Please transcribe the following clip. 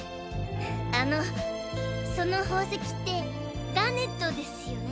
あのその宝石ってガーネットですよね？